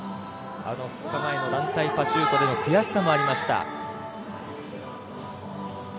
２日前の団体パシュートで悔しさもありました。